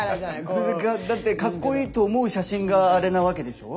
それがだって格好いいと思う写真があれなわけでしょ？